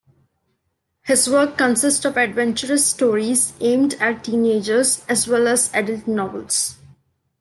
His works consist of adventure stories aimed at teenagers as well as adult novels.